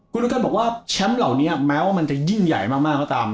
คุณอุกัลบอกว่าแชมป์เหล่านี้แม้ว่ามันจะยิ่งใหญ่มากก็ตาม